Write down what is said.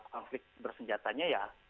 konflik bersenjatanya ya